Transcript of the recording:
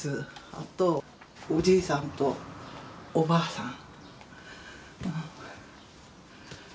あとおじいさんとおばあさん。